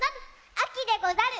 あきでござる！